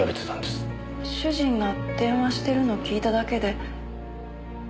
主人が電話してるのを聞いただけで。